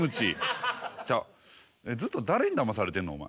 ちゃずっと誰にだまされてんのお前。